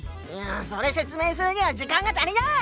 それ説明するには時間が足りない！